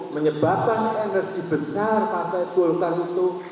menyebabkan energi besar partai golkar itu